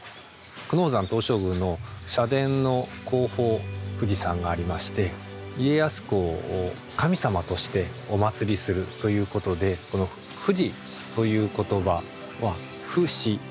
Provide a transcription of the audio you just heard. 久能山東照宮の社殿の後方富士山がありまして家康公を神様としてお祀りするということでこの「富士」という言葉は「不死」